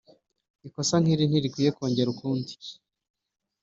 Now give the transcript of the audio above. ikosa nk’iri ntirikwiye kongera ukundi